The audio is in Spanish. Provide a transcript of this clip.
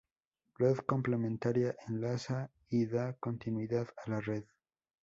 Red complementaria: Enlaza y da continuidad a la red.